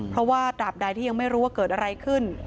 เพราะว่าตราบใดที่ยังไม่รู้ว่าเกิดอะไรขึ้น